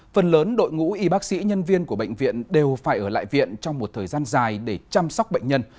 phần lớn đội ngũ y bác sĩ nhân viên của bệnh viện đều phải ở lại viện trong một thời gian dài để chăm sóc bệnh nhân